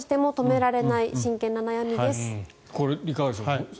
これ、いかがでしょう。